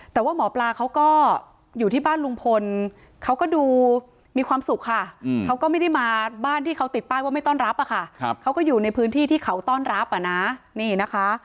แต่ว่าหมอปลาเขาก็อยู่ที่บ้านลุงพลเขาก็ดูมีความสุขค่ะเขาก็ไม่ได้มาบ้านที่เขาติดป้ายว่าไม่ต้อนรับอะค่ะเขาก็อยู่ในพื้นที่ที่เขาต้อนรับอ่ะนะนี่นะคะ